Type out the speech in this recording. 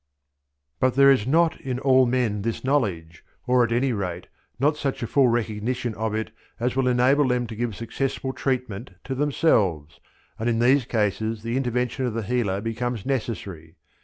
But "there is not in all men this knowledge," or at any rate not such a full recognition of it as will enable them to give successful treatment to themselves, and in these cases the intervention of the healer becomes necessary.